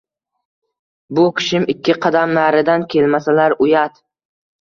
Bu kishim ikki qadam naridan kelmasalar uyat